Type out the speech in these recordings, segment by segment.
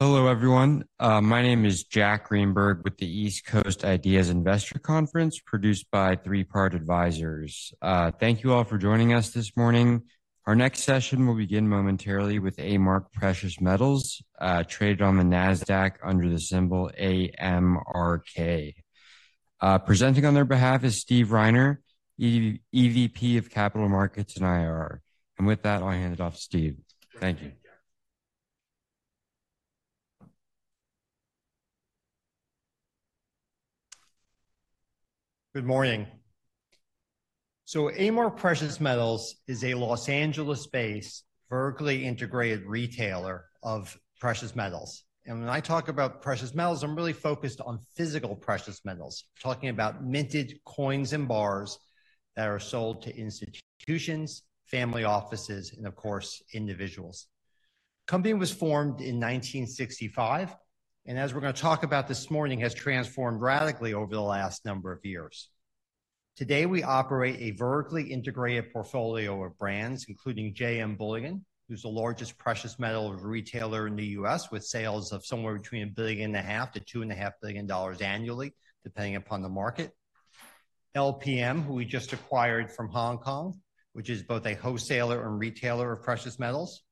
Hello everyone. My name is Jack Greenberg with the East Coast IDEAS Investor Conference, produced by Three Part Advisors. Thank you all for joining us this morning. Our next session will begin momentarily with A-Mark Precious Metals, traded on the Nasdaq under the symbol AMRK. Presenting on their behalf is Steve Reiner, EVP of Capital Markets and IR. And with that, I'll hand it off to Steve. Thank you. Good morning. So A-Mark Precious Metals is a Los Angeles-based, vertically integrated retailer of precious metals. And when I talk about precious metals, I'm really focused on physical precious metals. We're talking about minted coins and bars that are sold to institutions, family offices, and of course, individuals. The company was formed in 1965, and as we're going to talk about this morning, has transformed radically over the last number of years. Today, we operate a vertically integrated portfolio of brands, including JM Bullion, who's the largest precious metal retailer in the U.S., with sales of somewhere between $1.5 billion-$2.5 billion annually, depending upon the market. LPM, who we just acquired from Hong Kong, which is both a wholesaler and retailer of precious metals,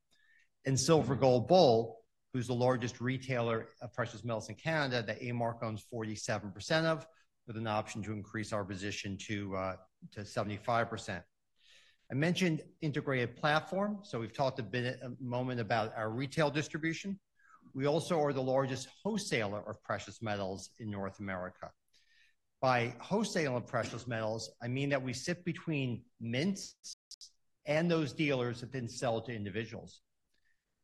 and Silver Gold Bull, who's the largest retailer of precious metals in Canada, that A-Mark owns 47% of, with an option to increase our position to 75%. I mentioned integrated platform, so we've talked a bit, a moment about our retail distribution. We also are the largest wholesaler of precious metals in North America. By wholesaler of precious metals, I mean that we sit between mints and those dealers that then sell to individuals.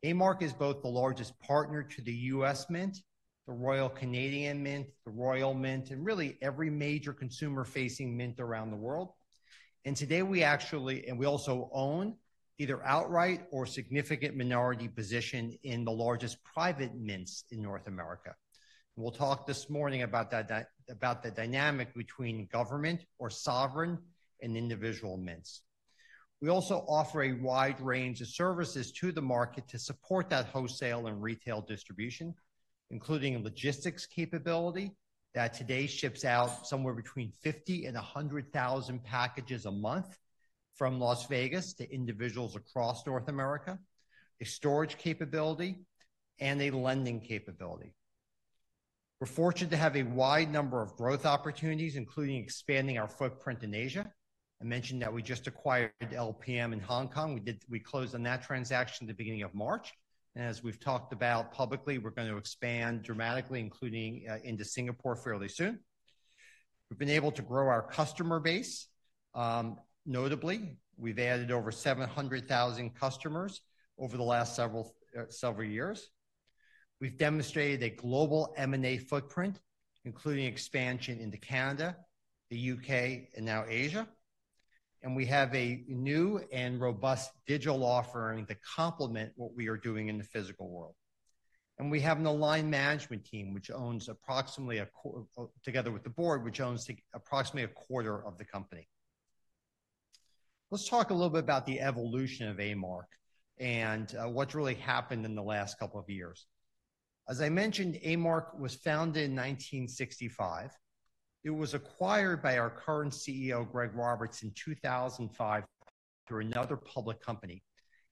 A-Mark is both the largest partner to the U.S. Mint, the Royal Canadian Mint, the Royal Mint, and really every major consumer-facing mint around the world. And today we actually and we also own either outright or significant minority position in the largest private mints in North America. We'll talk this morning about that—about the dynamic between government or sovereign and individual mints. We also offer a wide range of services to the market to support that wholesale and retail distribution, including a logistics capability that today ships out somewhere between 50 and 100,000 packages a month from Las Vegas to individuals across North America, a storage capability, and a lending capability. We're fortunate to have a wide number of growth opportunities, including expanding our footprint in Asia. I mentioned that we just acquired LPM in Hong Kong. We closed on that transaction at the beginning of March, and as we've talked about publicly, we're going to expand dramatically, including into Singapore fairly soon. We've been able to grow our customer base notably. We've added over 700,000 customers over the last several years. We've demonstrated a global M&A footprint, including expansion into Canada, the U.K., and now Asia, and we have a new and robust digital offering to complement what we are doing in the physical world. We have an aligned management team, which owns approximately a quarter—together with the board, which owns approximately a quarter of the company. Let's talk a little bit about the evolution of A-Mark and what's really happened in the last couple of years. As I mentioned, A-Mark was founded in 1965. It was acquired by our current CEO, Greg Roberts, in 2005 through another public company,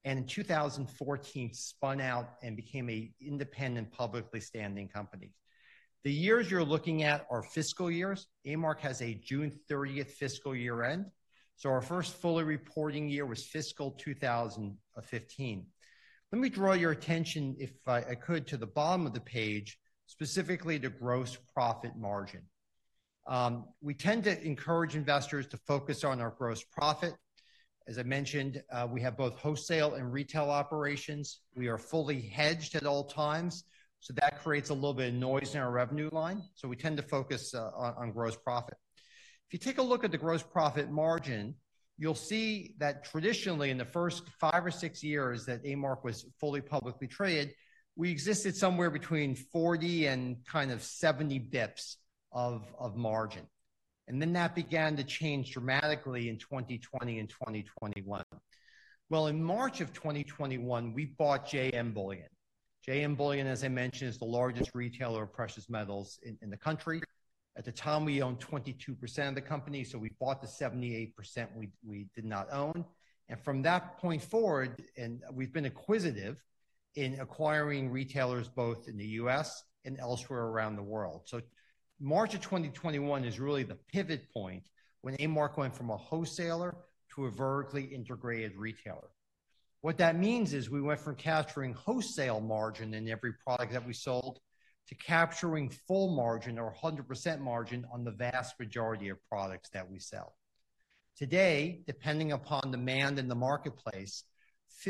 and in 2014, spun out and became an independent, publicly traded company. The years you're looking at are fiscal years. A-Mark has a June 30 fiscal year end, so our first fully reporting year was fiscal 2015. Let me draw your attention, if I could, to the bottom of the page, specifically to gross profit margin. We tend to encourage investors to focus on our gross profit. As I mentioned, we have both wholesale and retail operations. We are fully hedged at all times, so that creates a little bit of noise in our revenue line, so we tend to focus on gross profit. If you take a look at the gross profit margin, you'll see that traditionally, in the first five or six years that A-Mark was fully publicly traded, we existed somewhere between 40 and kind of 70 bps of margin. And then that began to change dramatically in 2020 and 2021. Well, in March of 2021, we bought JM Bullion. JM Bullion, as I mentioned, is the largest retailer of precious metals in the country. At the time, we owned 22% of the company, so we bought the 78% we did not own. And from that point forward, and we've been acquisitive in acquiring retailers both in the US and elsewhere around the world. So March of 2021 is really the pivot point when A-Mark went from a wholesaler to a vertically integrated retailer. What that means is we went from capturing wholesale margin in every product that we sold to capturing full margin or 100% margin on the vast majority of products that we sell. Today, depending upon demand in the marketplace,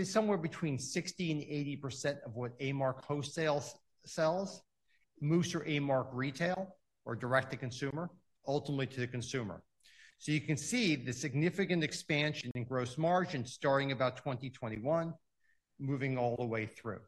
somewhere between 60% and 80% of what A-Mark Wholesale sells moves through A-Mark Retail or direct-to-consumer, ultimately to the consumer. So you can see the significant expansion in gross margin starting about 2021, moving all the way through....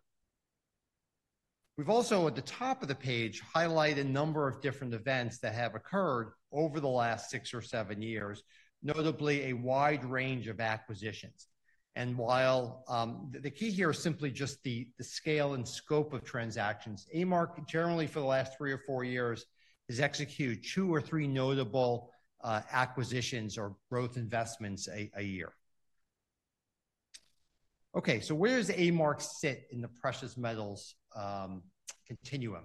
We've also, at the top of the page, highlighted a number of different events that have occurred over the last 6 or 7 years, notably a wide range of acquisitions. And while the key here is simply just the scale and scope of transactions. A-Mark, generally, for the last 3 or 4 years, has executed 2 or 3 notable acquisitions or growth investments a year. Okay, so where does A-Mark sit in the precious metals continuum?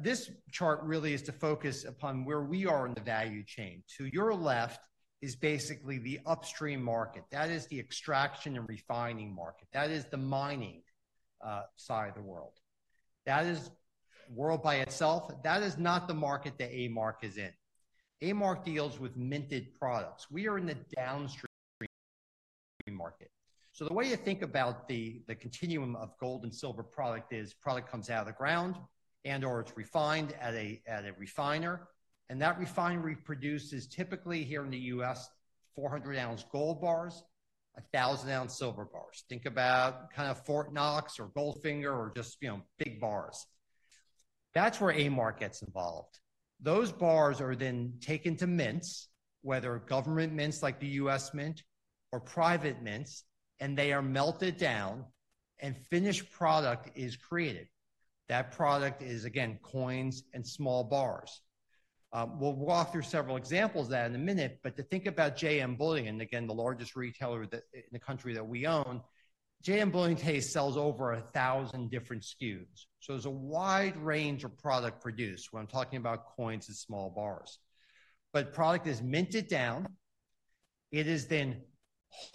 This chart really is to focus upon where we are in the value chain. To your left is basically the upstream market. That is the extraction and refining market. That is the mining side of the world. That is a world by itself. That is not the market that A-Mark is in. A-Mark deals with minted products. We are in the downstream market. So the way you think about the continuum of gold and silver product is, product comes out of the ground and/or it's refined at a refiner, and that refinery produces, typically here in the U.S., 400-ounce gold bars, 1,000-ounce silver bars. Think about kind of Fort Knox or Goldfinger or just, you know, big bars. That's where A-Mark gets involved. Those bars are then taken to mints, whether government mints like the U.S. Mint or private mints, and they are melted down and finished product is created. That product is, again, coins and small bars. We'll walk through several examples of that in a minute, but to think about JM Bullion, again, the largest retailer in the country that we own, JM Bullion today sells over 1,000 different SKUs. So there's a wide range of product produced when I'm talking about coins and small bars. But product is minted down, it is then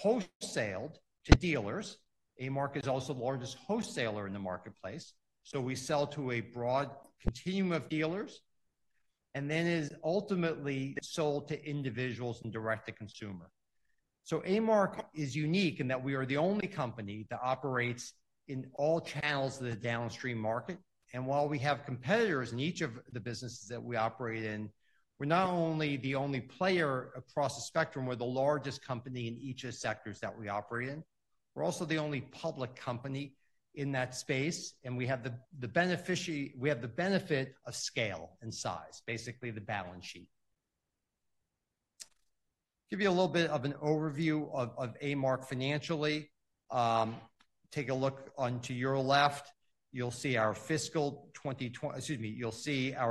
wholesaled to dealers. A-Mark is also the largest wholesaler in the marketplace, so we sell to a broad continuum of dealers, and then is ultimately sold to individuals and direct to consumer. So A-Mark is unique in that we are the only company that operates in all channels of the downstream market, and while we have competitors in each of the businesses that we operate in, we're not only the only player across the spectrum, we're the largest company in each of the sectors that we operate in. We're also the only public company in that space, and we have the benefit of scale and size, basically, the balance sheet. Give you a little bit of an overview of A-Mark financially. Take a look onto your left. You'll see our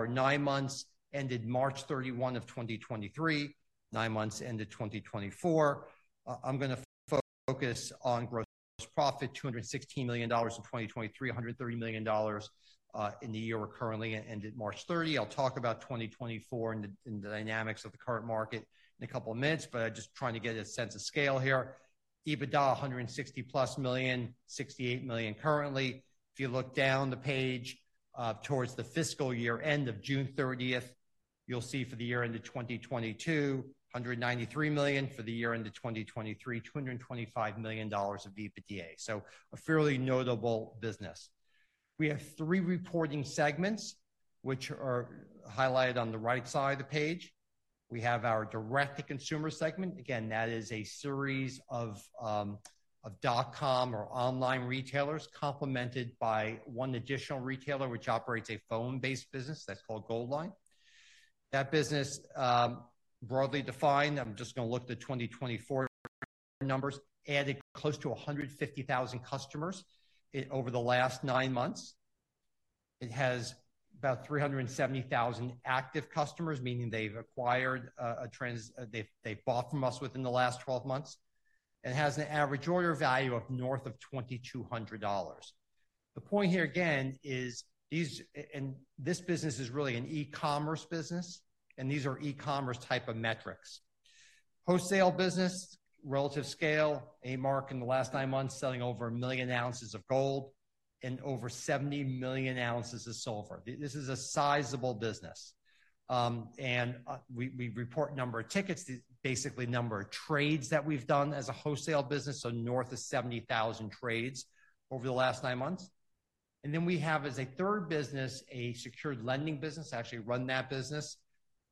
nine months ended March 31 of 2023, nine months ended 2024. I'm going to focus on gross profit, $216 million in 2023, $130 million in the year we're currently in, ended March 30. I'll talk about 2024 and the dynamics of the current market in a couple of minutes, but just trying to get a sense of scale here. EBITDA, $160+ million, $68 million currently. If you look down the page, towards the fiscal year end of June 30, you'll see for the year end of 2022, $193 million. For the year end of 2023, $225 million of EBITDA. So a fairly notable business. We have three reporting segments, which are highlighted on the right side of the page. We have our direct-to-consumer segment. Again, that is a series of, of dotcom or online retailers, complemented by one additional retailer, which operates a phone-based business that's called Goldline. That business, broadly defined, I'm just going to look at the 2024 numbers, added close to 150,000 customers over the last nine months. It has about 370,000 active customers, meaning they've bought from us within the last 12 months. It has an average order value of north of $2,200. The point here, again, is these and this business is really an e-commerce business, and these are e-commerce type of metrics. Wholesale business, relative scale, A-Mark, in the last 9 months, selling over 1 million ounces of gold and over 70 million ounces of silver. This is a sizable business. And we report number of tickets, to basically number of trades that we've done as a wholesale business, so north of 70,000 trades over the last 9 months. And then we have, as a third business, a secured lending business, actually run that business.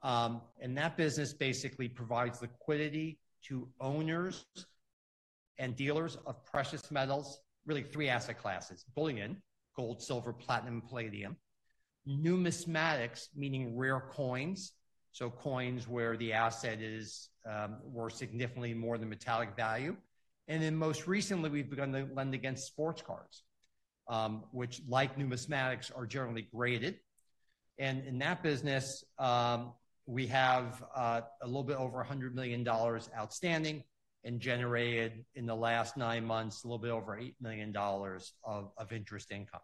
And that business basically provides liquidity to owners and dealers of precious metals, really three asset classes: bullion, gold, silver, platinum, and palladium; numismatics, meaning rare coins, so coins where the asset is worth significantly more than metallic value; and then most recently, we've begun to lend against sports cars, which, like numismatics, are generally graded. And in that business, we have a little bit over $100 million outstanding and generated, in the last nine months, a little bit over $8 million of interest income.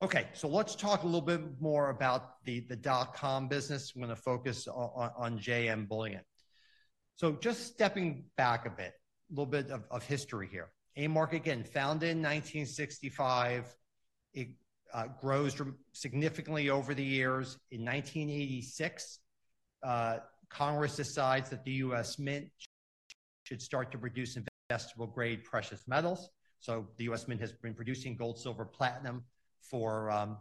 Okay, so let's talk a little bit more about the dotcom business. I'm gonna focus on JM Bullion. So just stepping back a bit, a little bit of history here. A-Mark, again, founded in 1965, it grows significantly over the years. In 1986, Congress decides that the US Mint should start to produce investable-grade precious metals. So the US Mint has been producing gold, silver, platinum for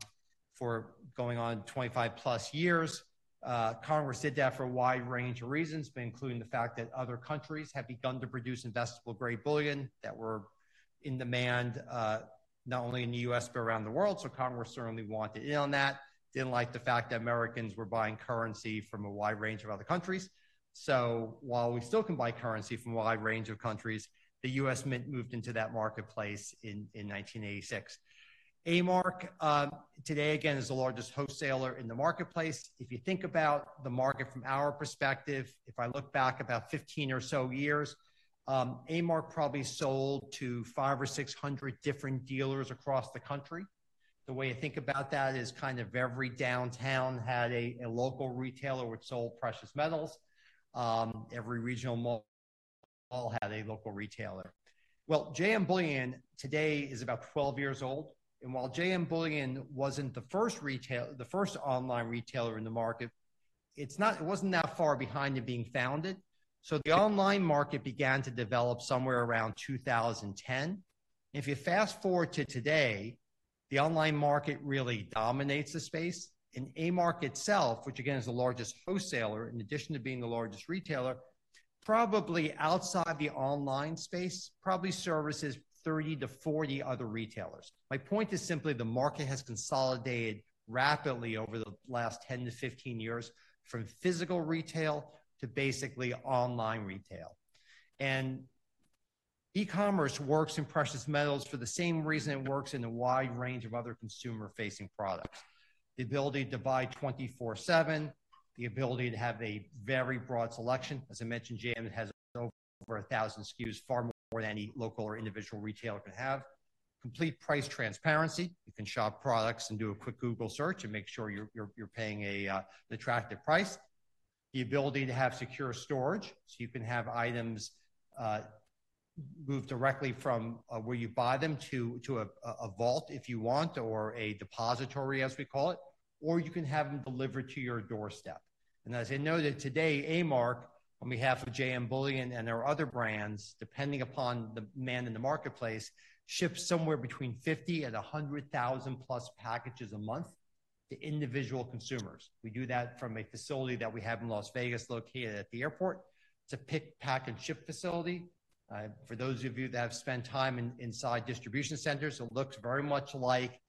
for going on 25+ years. Congress did that for a wide range of reasons, but including the fact that other countries had begun to produce investable-grade bullion that were in demand, not only in the US, but around the world. So Congress certainly wanted in on that, didn't like the fact that Americans were buying currency from a wide range of other countries. So while we still can buy currency from a wide range of countries, the US Mint moved into that marketplace in in 1986. A-Mark, today, again, is the largest wholesaler in the marketplace. If you think about the market from our perspective, if I look back about 15 or so years, A-Mark probably sold to 500-600 different dealers across the country. The way I think about that is kind of every downtown had a local retailer, which sold precious metals. Every regional mall had a local retailer. Well, JM Bullion today is about 12 years old, and while JM Bullion wasn't the first retail—the first online retailer in the market, it's not—it wasn't that far behind in being founded. So the online market began to develop somewhere around 2010. If you fast forward to today, the online market really dominates the space, and A-Mark itself, which again, is the largest wholesaler, in addition to being the largest retailer, probably outside the online space, probably services 30-40 other retailers. My point is simply the market has consolidated rapidly over the last 10-15 years, from physical retail to basically online retail. E-commerce works in precious metals for the same reason it works in a wide range of other consumer-facing products. The ability to buy 24/7, the ability to have a very broad selection. As I mentioned, JM, it has over 1,000 SKUs, far more than any local or individual retailer can have. Complete price transparency. You can shop products and do a quick Google search and make sure you're paying a attractive price. The ability to have secure storage, so you can have items moved directly from where you buy them to a vault if you want, or a depository, as we call it, or you can have them delivered to your doorstep. As I know that today, A-Mark, on behalf of JM Bullion and our other brands, depending upon the demand in the marketplace, ships somewhere between 50 and 100,000+ packages a month to individual consumers. We do that from a facility that we have in Las Vegas, located at the airport. It's a pick, pack, and ship facility. For those of you that have spent time inside distribution centers, it looks very much like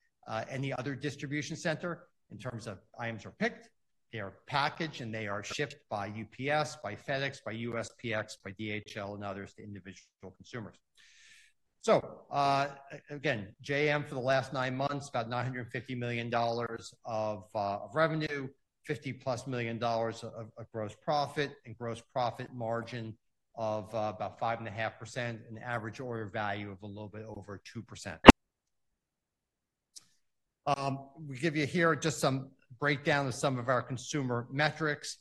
any other distribution center in terms of items are picked, they are packaged, and they are shipped by UPS, by FedEx, by USPS, by DHL, and others, to individual consumers. So, again, JM, for the last nine months, about $950 million of revenue, $50+ million of gross profit and gross profit margin of about 5.5%, an average order value of a little bit over 2%. We give you here just some breakdown of some of our consumer metrics,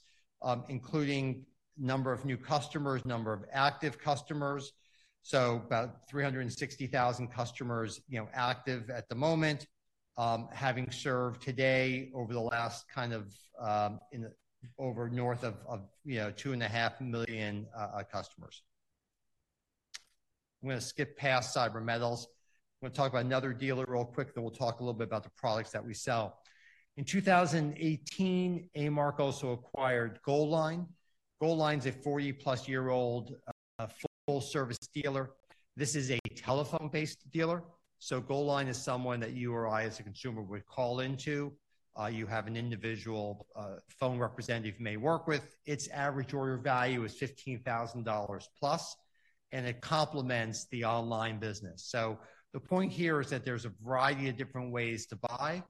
including number of new customers, number of active customers. So about 360,000 customers, you know, active at the moment, having served today over the last kind of, in the over north of, of, you know, 2.5 million customers. I'm going to skip past CyberMetals. I'm going to talk about another dealer real quick, then we'll talk a little bit about the products that we sell. In 2018, A-Mark also acquired Goldline. Goldline is a 40+-year-old full-service dealer. This is a telephone-based dealer, so Goldline is someone that you or I, as a consumer, would call into. You have an individual phone representative you may work with. Its average order value is $15,000+, and it complements the online business. So the point here is that there's a variety of different ways to buy,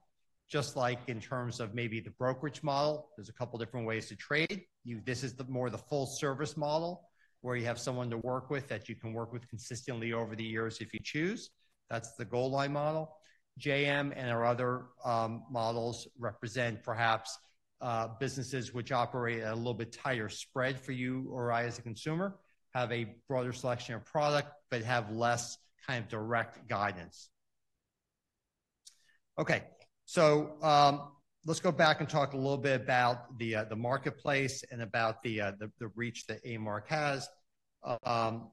just like in terms of maybe the brokerage model. There's a couple different ways to trade. You. This is the more the full-service model, where you have someone to work with, that you can work with consistently over the years, if you choose. That's the Goldline model. JM and our other models represent perhaps businesses which operate at a little bit tighter spread for you or I, as a consumer, have a broader selection of product, but have less kind of direct guidance. Okay, so let's go back and talk a little bit about the marketplace and about the reach that A-Mark has.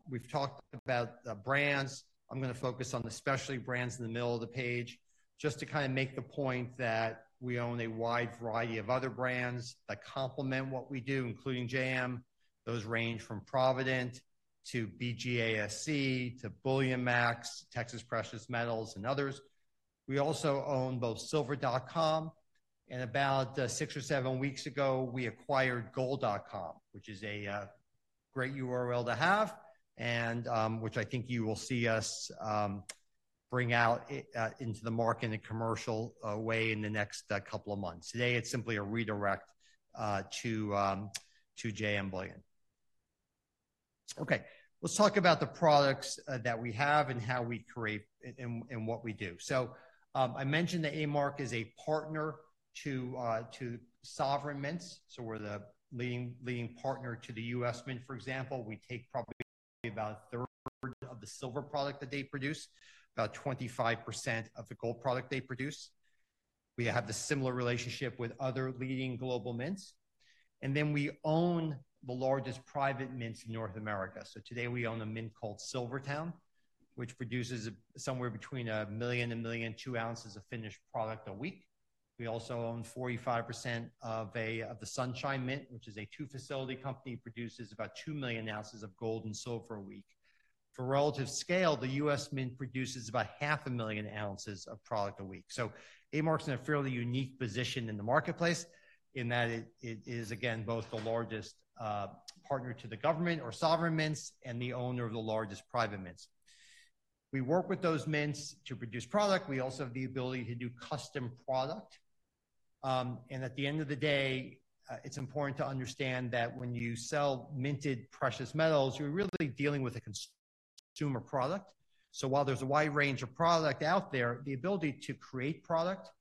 We've talked about the brands. I'm going to focus on the specialty brands in the middle of the page, just to make the point that we own a wide variety of other brands that complement what we do, including JM. Those range from Provident to BGASC, to BullionMax, Texas Precious Metals, and others. We also own both Silver.com and about six or seven weeks ago, we acquired old.com, which is a great URL to have, and which I think you will see us bring out into the market in a commercial way in the next couple of months. Today, it's simply a redirect to JM Bullion. Okay, let's talk about the products that we have and how we create and what we do. So, I mentioned that A-Mark is a partner to sovereign mints, so we're the leading partner to the US Mint, for example. We take probably about a third of the silver product that they produce, about 25% of the gold product they produce. We have the similar relationship with other leading global mints, and then we own the largest private mints in North America. So today we own a mint called SilverTowne, which produces somewhere between 1 million and 1.2 million ounces of finished product a week. We also own 45% of the Sunshine Mint, which is a two-facility company, produces about 2 million ounces of gold and silver a week. For relative scale, the US Mint produces about 500,000 ounces of product a week. So A-Mark's in a fairly unique position in the marketplace, in that it is, again, both the largest partner to the government or sovereign mints, and the owner of the largest private mints. We work with those mints to produce product. We also have the ability to do custom product. At the end of the day, it's important to understand that when you sell minted precious metals, you're really dealing with a consumer product. So while there's a wide range of product out there, the ability to create product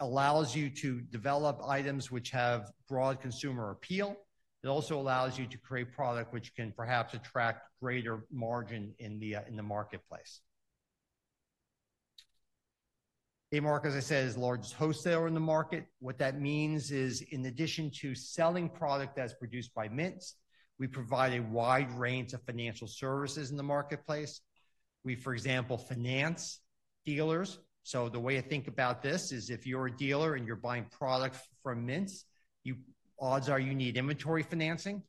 allows you to develop items which have broad consumer appeal. It also allows you to create product which can perhaps attract greater margin in the marketplace. A-Mark, as I said, is the largest wholesaler in the market. What that means is, in addition to selling product that's produced by mints, we provide a wide range of financial services in the marketplace. We, for example, finance dealers. So the way I think about this is if you're a dealer and you're buying products from mints, you, odds are you need inventory financing.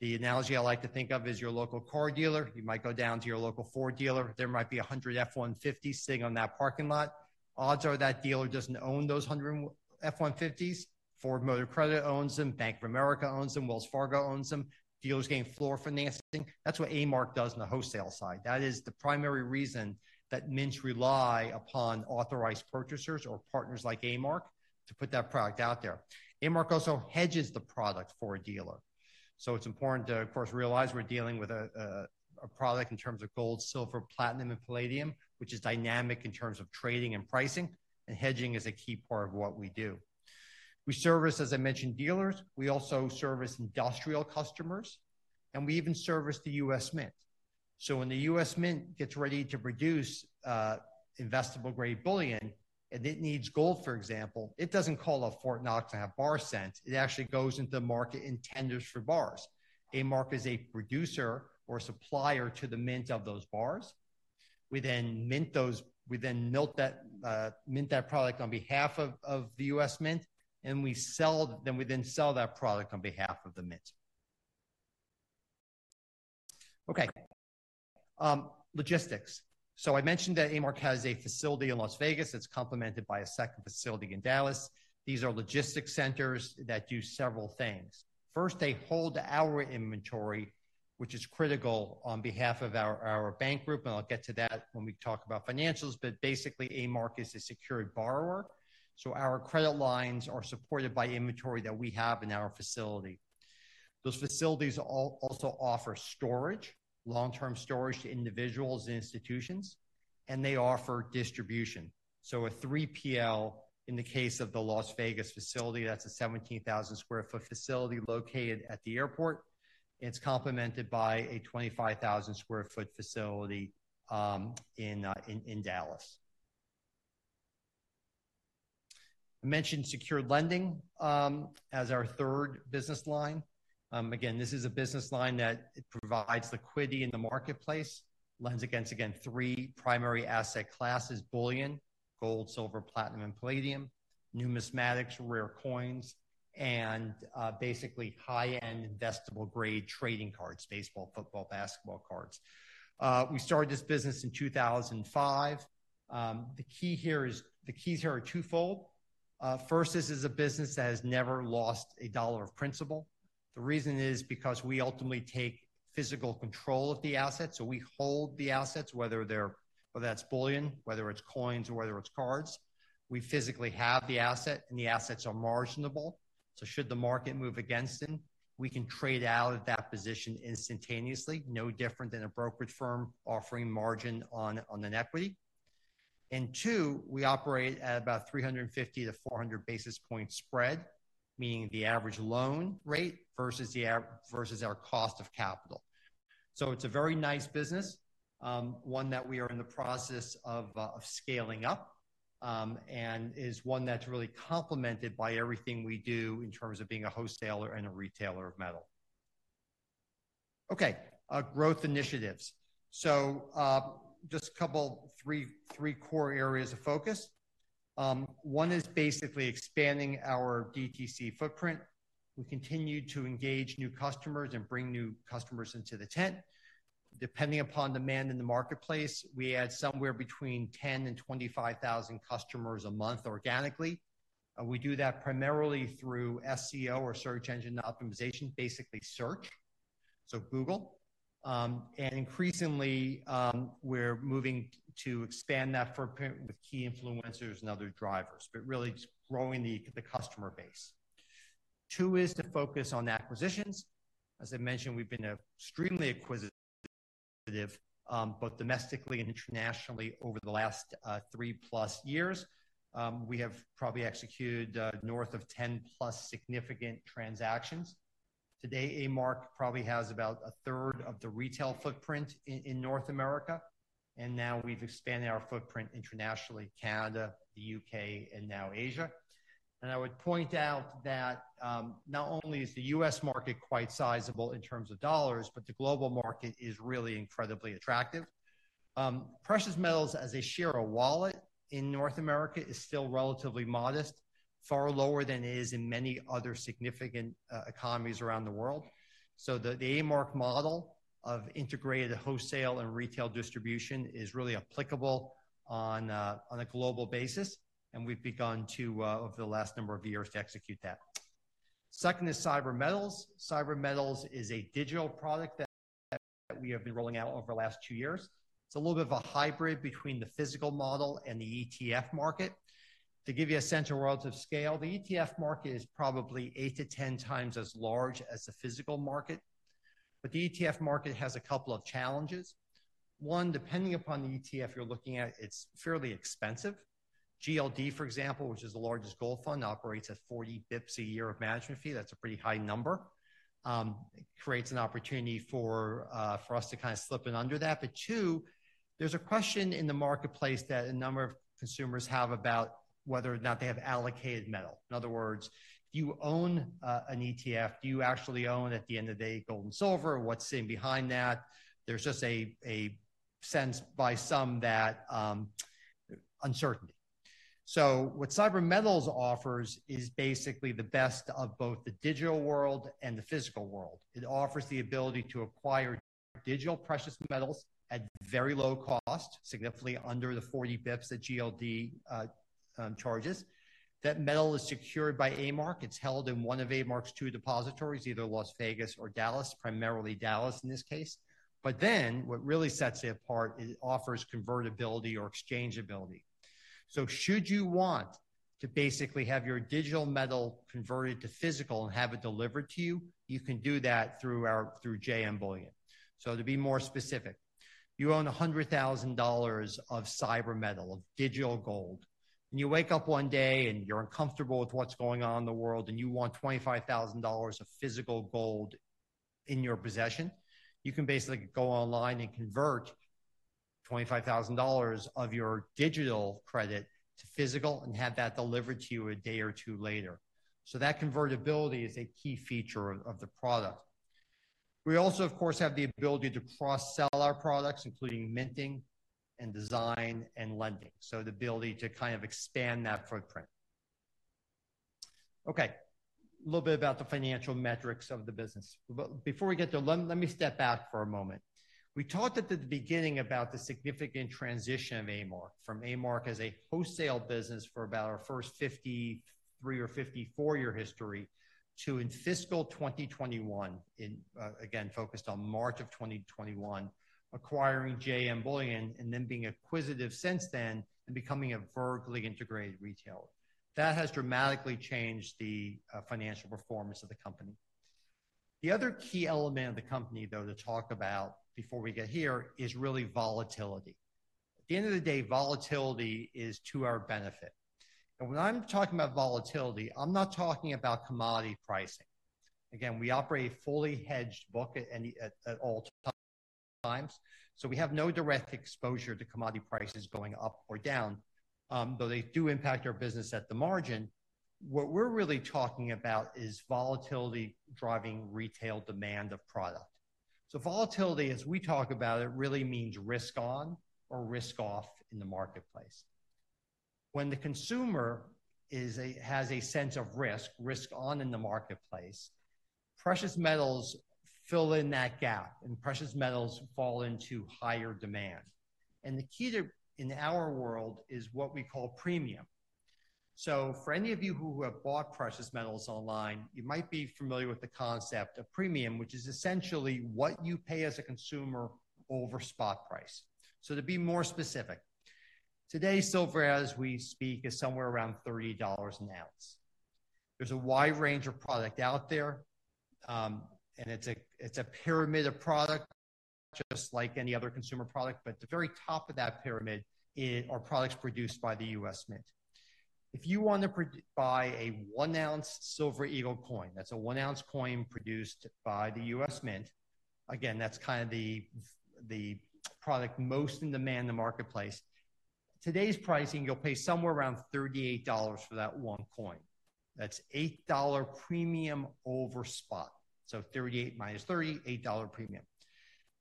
The analogy I like to think of is your local car dealer. You might go down to your local Ford dealer. There might be 100 F-150s sitting on that parking lot. Odds are that dealer doesn't own those 100 F-150s. Ford Motor Credit owns them, Bank of America owns them, Wells Fargo owns them. Dealers gain floor financing. That's what A-Mark does on the wholesale side. That is the primary reason that mints rely upon authorized purchasers or partners like A-Mark to put that product out there. A-Mark also hedges the product for a dealer. So it's important to, of course, realize we're dealing with a product in terms of gold, silver, platinum, and palladium, which is dynamic in terms of trading and pricing, and hedging is a key part of what we do. We service, as I mentioned, dealers. We also service industrial customers, and we even service the U.S. Mint. So when the US Mint gets ready to produce, investable-grade bullion, and it needs gold, for example, it doesn't call Fort Knox to have bars sent. It actually goes into the market and tenders for bars. A-Mark is a producer or supplier to the mint of those bars. We then melt that, mint that product on behalf of the US Mint, and we sell that product on behalf of the Mint. Okay, logistics. So I mentioned that A-Mark has a facility in Las Vegas that's complemented by a second facility in Dallas. These are logistics centers that do several things. First, they hold our inventory, which is critical on behalf of our bank group, and I'll get to that when we talk about financials, but basically, A-Mark is a secured borrower, so our credit lines are supported by inventory that we have in our facility. Those facilities also offer storage, long-term storage to individuals and institutions, and they offer distribution. So a 3PL, in the case of the Las Vegas facility, that's a 17,000 sq ft facility located at the airport. It's complemented by a 25,000 sq ft facility in Dallas. I mentioned secured lending as our third business line. Again, this is a business line that provides liquidity in the marketplace, lends against, again, three primary asset classes: bullion, gold, silver, platinum, and palladium; numismatics, rare coins; and basically, high-end, investable-grade trading cards, baseball, football, basketball cards. We started this business in 2005. The key here is the keys here are twofold. First, this is a business that has never lost a dollar of principal. The reason is because we ultimately take physical control of the asset, so we hold the assets, whether they're, whether that's bullion, whether it's coins, or whether it's cards. We physically have the asset, and the assets are marginable. So should the market move against them, we can trade out of that position instantaneously, no different than a brokerage firm offering margin on an equity. And two, we operate at about 350-400 basis point spread, meaning the average loan rate versus our cost of capital. So it's a very nice business, one that we are in the process of scaling up, and is one that's really complemented by everything we do in terms of being a wholesaler and a retailer of metal. Okay, growth initiatives. So, just a couple, three core areas of focus. One is basically expanding our DTC footprint. We continue to engage new customers and bring new customers into the tent. Depending upon demand in the marketplace, we add somewhere between 10 and 25,000 customers a month organically. We do that primarily through SEO or search engine optimization, basically search, so Google. And increasingly, we're moving to expand that footprint with key influencers and other drivers, but really just growing the customer base. Two is to focus on acquisitions. As I mentioned, we've been extremely acquisitive, both domestically and internationally over the last, 3+ years. We have probably executed, north of 10+ significant transactions. Today, A-Mark probably has about a third of the retail footprint in North America, and now we've expanded our footprint internationally, Canada, the U.K., and now Asia. I would point out that, not only is the U.S. market quite sizable in terms of dollars, but the global market is really incredibly attractive. Precious metals, as a share of wallet in North America, is still relatively modest, far lower than it is in many other significant, economies around the world. So the A-Mark model of integrated wholesale and retail distribution is really applicable on a global basis, and we've begun to, over the last number of years, to execute that. Second is CyberMetals. CyberMetals is a digital product that we have been rolling out over the last 2 years. It's a little bit of a hybrid between the physical model and the ETF market. To give you a sense of relative scale, the ETF market is probably 8-10 times as large as the physical market, but the ETF market has a couple of challenges. One, depending upon the ETF you're looking at, it's fairly expensive. GLD, for example, which is the largest gold fund, operates at 40 bps a year of management fee. That's a pretty high number. It creates an opportunity for us to slip in under that. But two, there's a question in the marketplace that a number of consumers have about whether or not they have allocated metal. In other words, if you own an ETF, do you actually own, at the end of the day, gold and silver? What's sitting behind that? There's just a sense by some that uncertainty. So what CyberMetals offers is basically the best of both the digital world and the physical world. It offers the ability to acquire digital precious metals at very low cost, significantly under the 40 bps that GLD charges. That metal is secured by A-Mark. It's held in one of A-Mark's 2 depositories, either Las Vegas or Dallas, primarily Dallas, in this case. But then, what really sets it apart, it offers convertibility or exchangeability. So should you want to basically have your digital metal converted to physical and have it delivered to you, you can do that through JM Bullion. So to be more specific, you own $100,000 of CyberMetals, of digital gold, and you wake up one day and you're uncomfortable with what's going on in the world, and you want $25,000 of physical gold in your possession, you can basically go online and convert $25,000 of your digital credit to physical and have that delivered to you a day or two later. So that convertibility is a key feature of, of the product. We also, of course, have the ability to cross-sell our products, including minting and design and lending. So the ability to expand that footprint. Okay, a little bit about the financial metrics of the business. But before we get there, let me step back for a moment. We talked at the beginning about the significant transition of A-Mark, from A-Mark as a wholesale business for about our first 53- or 54-year history, to in fiscal 2021, in, again, focused on March 2021, acquiring JM Bullion and then being acquisitive since then and becoming a vertically integrated retailer. That has dramatically changed the financial performance of the company. The other key element of the company, though, to talk about before we get here, is really volatility. At the end of the day, volatility is to our benefit. And when I'm talking about volatility, I'm not talking about commodity pricing. Again, we operate a fully hedged book at any, at all times, so we have no direct exposure to commodity prices going up or down, though they do impact our business at the margin. What we're really talking about is volatility driving retail demand of product. So volatility, as we talk about it, really means risk on or risk off in the marketplace. When the consumer has a sense of risk, risk on in the marketplace, precious metals fill in that gap, and precious metals fall into higher demand. And the key to, in our world, is what we call premium. So for any of you who have bought precious metals online, you might be familiar with the concept of premium, which is essentially what you pay as a consumer over spot price. So to be more specific, today, silver, as we speak, is somewhere around $30 an ounce. There's a wide range of product out there, and it's a pyramid of product, just like any other consumer product, but the very top of that pyramid is, are products produced by the US Mint. If you want to buy a one-ounce silver eagle coin, that's a one-ounce coin produced by the US Mint. Again, that's kind of the product most in demand in the marketplace. Today's pricing, you'll pay somewhere around $38 for that one coin. That's $8 premium over spot, so 38 minus 30, $8 premium.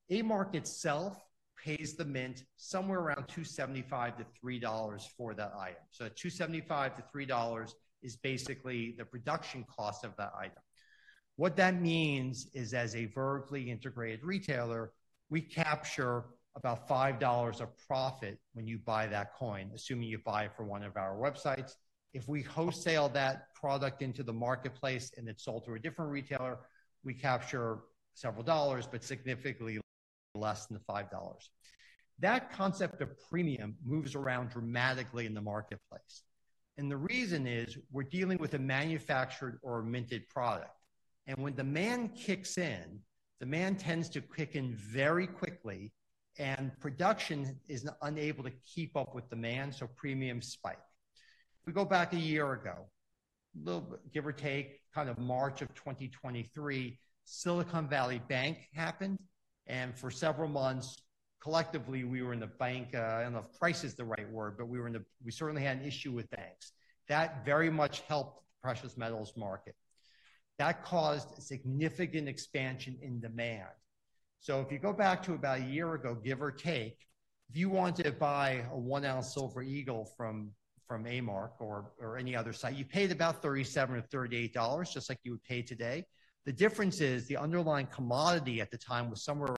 A-Mark itself pays the Mint somewhere around $2.75-$3 for that item. So $2.75-$3 is basically the production cost of that item. What that means is, as a vertically integrated retailer, we capture about $5 of profit when you buy that coin, assuming you buy it from one of our websites. If we wholesale that product into the marketplace, and it's sold to a different retailer, we capture several dollars, but significantly less than the $5. That concept of premium moves around dramatically in the marketplace. And the reason is we're dealing with a manufactured or minted product. And when demand kicks in, demand tends to kick in very quickly, and production is unable to keep up with demand, so premiums spike. If we go back a year ago, little, give or take, kind of March of 2023, Silicon Valley Bank happened, and for several months-... Collectively, we were in the bank. I don't know if price is the right word, but we were in the—we certainly had an issue with banks. That very much helped the precious metals market. That caused significant expansion in demand. So if you go back to about a year ago, give or take, if you wanted to buy a 1-ounce silver eagle from, from A-Mark or, or any other site, you paid about $37 or $38, just like you would pay today. The difference is, the underlying commodity at the time was somewhere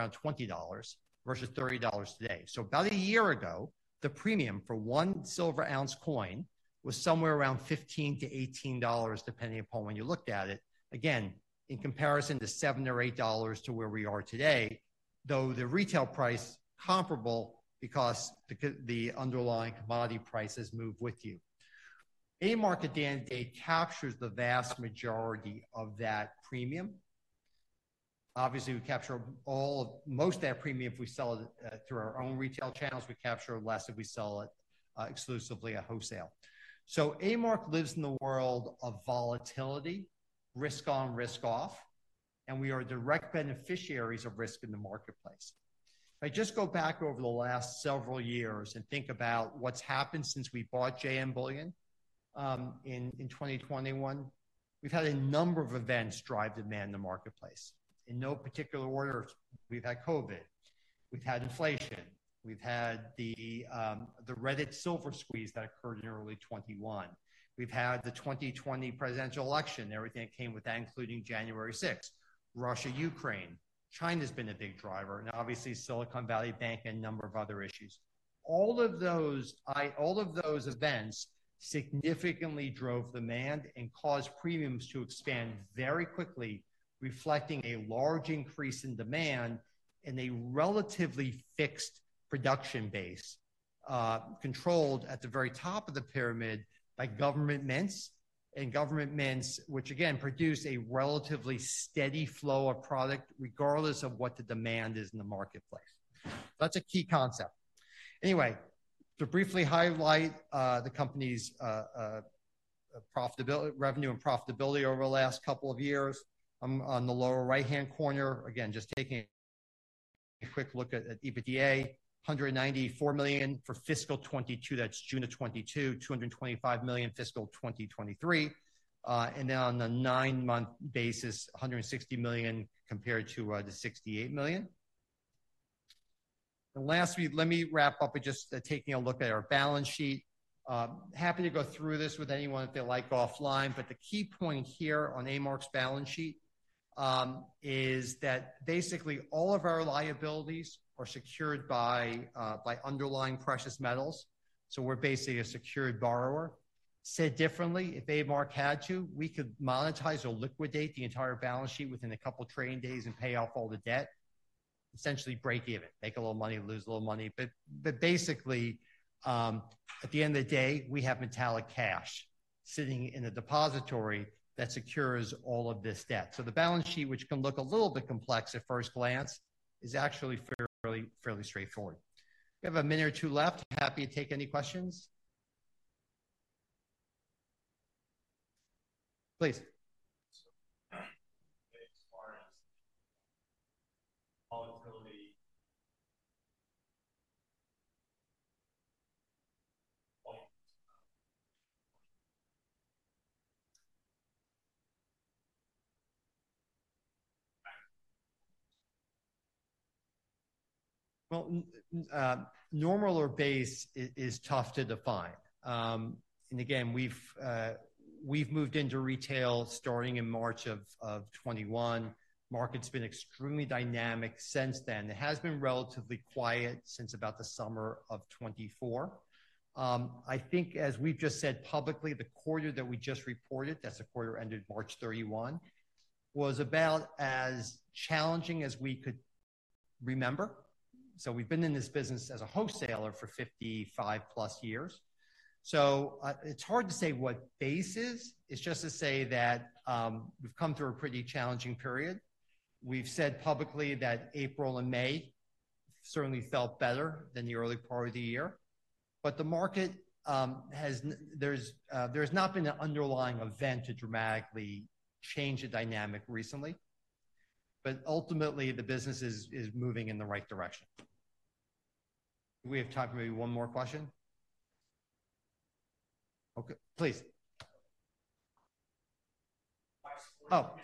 around $20 versus $30 today. So about a year ago, the premium for one silver ounce coin was somewhere around $15-$18, depending upon when you looked at it. Again, in comparison to $7 or $8 to where we are today, though the retail price comparable because the underlying commodity prices move with you. A-Mark, at the end of the day, captures the vast majority of that premium. Obviously, we capture most of that premium if we sell it through our own retail channels, we capture less if we sell it exclusively at wholesale. So A-Mark lives in the world of volatility, risk on, risk off, and we are direct beneficiaries of risk in the marketplace. If I just go back over the last several years and think about what's happened since we bought JM Bullion in 2021, we've had a number of events drive demand in the marketplace. In no particular order, we've had COVID, we've had inflation, we've had the Reddit silver squeeze that occurred in early 2021. We've had the 2020 presidential election, everything that came with that, including January 6, Russia, Ukraine, China's been a big driver, and obviously, Silicon Valley Bank and a number of other issues. All of those events significantly drove demand and caused premiums to expand very quickly, reflecting a large increase in demand and a relatively fixed production base, controlled at the very top of the pyramid by government mints, and government mints, which again, produce a relatively steady flow of product regardless of what the demand is in the marketplace. That's a key concept. Anyway, to briefly highlight the company's profitability, revenue and profitability over the last couple of years, on the lower right-hand corner, again, just taking a quick look at EBITDA, $194 million for fiscal 2022, that's June of 2022, $225 million fiscal 2023, and then on the nine-month basis, $160 million compared to the $68 million. And last week, let me wrap up by just taking a look at our balance sheet. Happy to go through this with anyone if they like offline, but the key point here on A-Mark's balance sheet is that basically all of our liabilities are secured by underlying precious metals, so we're basically a secured borrower. Said differently, if A-Mark had to, we could monetize or liquidate the entire balance sheet within a couple of trading days and pay off all the debt, essentially break even, make a little money, lose a little money. But basically, at the end of the day, we have metallic cash sitting in a depository that secures all of this debt. So the balance sheet, which can look a little bit complex at first glance, is actually fairly straightforward. We have a minute or two left. Happy to take any questions. Please. As far as volatility point? Well, normal or base is tough to define. And again, we've moved into retail starting in March of 2021. Market's been extremely dynamic since then. It has been relatively quiet since about the summer of 2024. I think as we've just said publicly, the quarter that we just reported, that's the quarter ended March 31, was about as challenging as we could remember. So we've been in this business as a wholesaler for 55+ years. So, it's hard to say what base is. It's just to say that, we've come through a pretty challenging period. We've said publicly that April and May certainly felt better than the early part of the year, but the market, there's not been an underlying event to dramatically change the dynamic recently, but ultimately, the business is moving in the right direction. Do we have time for maybe one more question? Okay. Please. Why support? Oh,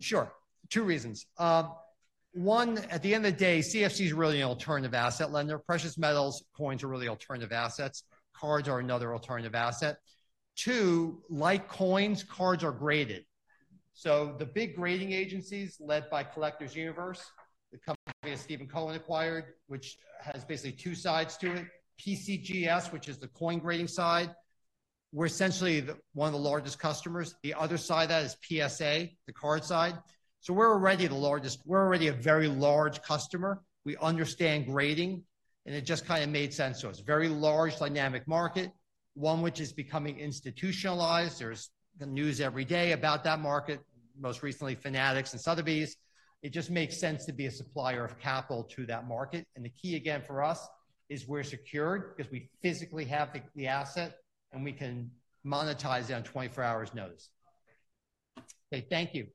sure. Two reasons. One, at the end of the day, CFC is really an alternative asset lender. Precious metals, coins are really alternative assets. Cards are another alternative asset. Two, like coins, cards are graded. So the big grading agencies, led by Collectors Universe, the company that Steve Cohen acquired, which has basically two sides to it. PCGS, which is the coin grading side, we're essentially the one of the largest customers. The other side of that is PSA, the card side. So we're already the largest. We're already a very large customer. We understand grading, and it just kinda made sense to us. Very large, dynamic market, one which is becoming institutionalized. There's the news every day about that market, most recently, Fanatics and Sotheby's. It just makes sense to be a supplier of capital to that market, and the key, again, for us is we're secured because we physically have the, the asset, and we can monetize it on 24 hours notice. Okay, thank you.